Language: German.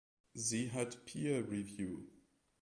Sie hat Peer Review.